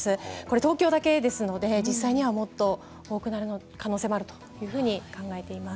東京だけですので実際にはもっと多くなる可能性があると考えています。